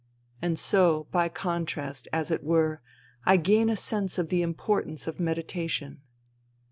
And so, by contrast, as it were, I gain a sense of the importance of meditation.